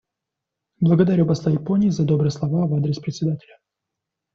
Благодарю посла Японии за добрые слова в адрес Председателя.